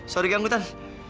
sorry ganggu tan